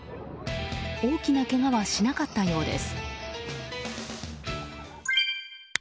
大きなけがはしなかったようです。